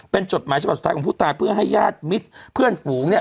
เป็นจดหมายฉบับสุดท้ายของผู้ตายเพื่อให้ญาติมิตรเพื่อนฝูงเนี่ย